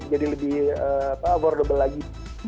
jadi lebih affordable lagi